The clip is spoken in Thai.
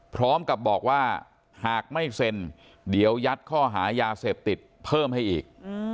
พร้อมกับบอกว่าหากไม่เซ็นเดี๋ยวยัดข้อหายาเสพติดเพิ่มให้อีก